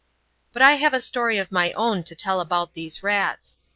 But I have a story of my own to tell about these rats.